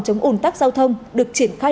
chống ủn tắc giao thông được triển khai